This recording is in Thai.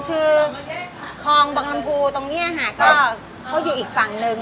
คือของอังกฤษตรงนี้นี่อยู่อีกฝั่งนึง